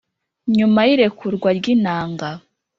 nyuma y’irekurwa ryi ntanga